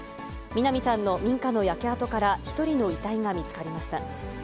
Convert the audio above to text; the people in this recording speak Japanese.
南さんの民家の焼け跡から１人の遺体が見つかりました。